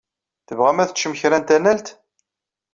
Tebɣam ad teččem kra n tanalt?